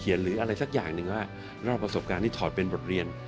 หรืออะไรสักอย่างหนึ่งว่าเล่าประสบการณ์ที่ถอดเป็นบทเรียน